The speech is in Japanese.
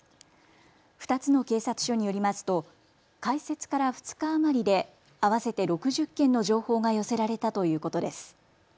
２つの警察署によりますと開設から２日余りで合わせて６０件の情報が寄せられたということです。